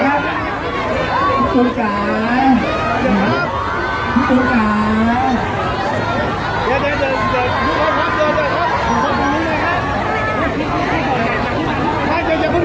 ขอบคุณมากนะคะแล้วก็แถวนี้ยังมีชาติของ